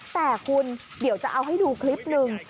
แต่คุณเดี๋ยวจะเอาให้ดูคลิปหนึ่ง